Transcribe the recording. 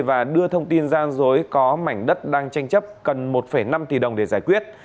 và đưa thông tin gian dối có mảnh đất đang tranh chấp cần một năm tỷ đồng để giải quyết